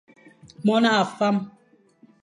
Mon a fam.